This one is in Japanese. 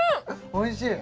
おいしい？